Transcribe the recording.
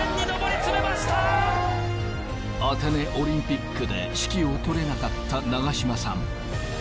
アテネオリンピックで指揮を執れなかった長嶋さん。